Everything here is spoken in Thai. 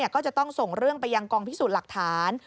ก็จะต้องส่งเรื่องไปยังกองพิสูจน์หลักฐาน